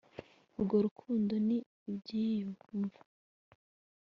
Urwo rukundo ni ibyiyumvo